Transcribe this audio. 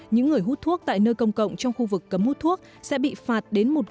những người hút thuốc tại nơi công cộng trong khu vực cấm hút thuốc sẽ bị phạt đến